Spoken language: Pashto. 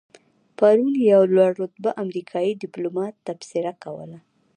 پرون یو لوړ رتبه امریکایي دیپلومات تبصره کوله.